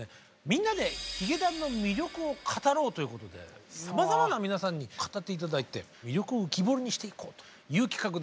「みんなでヒゲダンの魅力を語ろう」ということでさまざまな皆さんに語って頂いて魅力を浮き彫りにしていこうという企画でございます。